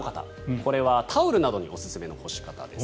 これはタオルなどにおすすめの干し方です。